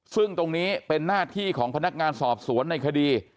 ซึ่งตรงนี้เป็นหน้าที่ของพนักงานสอบสวนในคดี